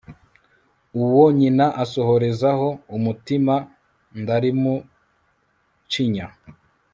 uwo nyina asohorezaho umutima ndalimucinya